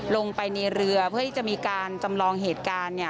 ลงไปในเรือเพื่อที่จะมีการจำลองเหตุการณ์